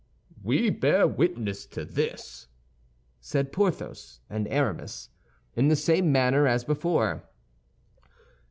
"We bear witness to this," said Porthos and Aramis, in the same manner as before.